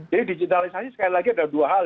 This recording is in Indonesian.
jadi digitalisasi sekali lagi ada dua hal